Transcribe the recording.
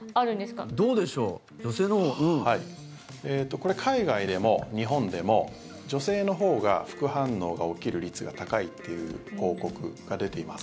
これ、海外でも日本でも女性のほうが副反応が起きる率が高いっていう報告が出ています。